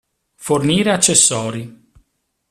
Fornire accessori.